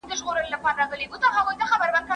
زکات د فقیرانو لپاره الهي عطیه ده.